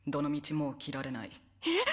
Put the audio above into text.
もう着られないえっ